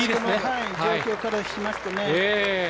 状況からしますとね。